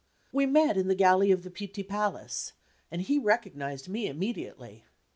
We met in the gallery of the Pitti Palace; and he recognized me immediately.